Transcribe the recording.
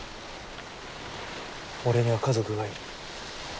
俺には家族がいる。